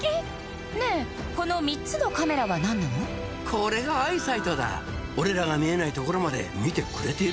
これがアイサイトだ俺らが見えないところまで見てくれているんだ